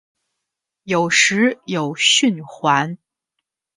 有时有蕈环。